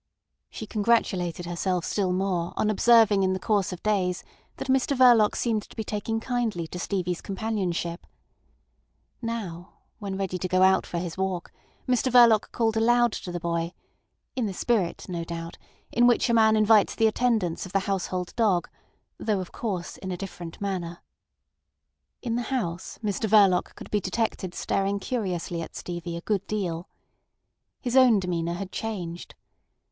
She congratulated herself still more on observing in the course of days that Mr Verloc seemed to be taking kindly to Stevie's companionship. Now, when ready to go out for his walk, Mr Verloc called aloud to the boy, in the spirit, no doubt, in which a man invites the attendance of the household dog, though, of course, in a different manner. In the house Mr Verloc could be detected staring curiously at Stevie a good deal. His own demeanour had changed.